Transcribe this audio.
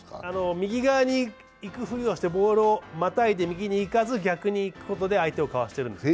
右側に行く振りをしてボールをまたいで右に行かず逆に行くことで相手をかわしているんです。